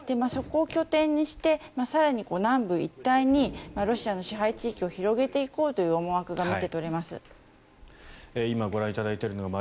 そこを拠点にして更に南部一帯にロシアの支配地域を広げていこうという思惑が